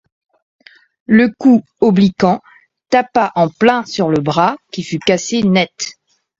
Le coup, obliquant, tapa en plein sur le bras, qui fut cassé net.